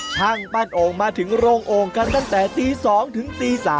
ช่างปั้นโอ่งมาถึงโรงโอ่งกันตั้งแต่ตี๒ถึงตี๓